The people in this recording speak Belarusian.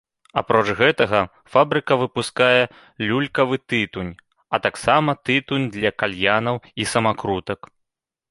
Апроч гэтага, фабрыка выпускае люлькавы тытунь, а таксама тытунь для кальянаў і самакрутак.